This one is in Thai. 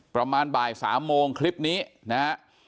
ประมาณบ่าย๓โมงคลิปนี้นะฮะ